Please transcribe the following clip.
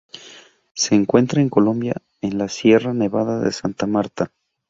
Se encuentra en Colombia en la Sierra Nevada de Santa Marta.